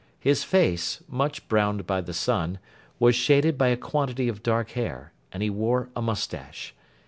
His face, much browned by the sun, was shaded by a quantity of dark hair; and he wore a moustache.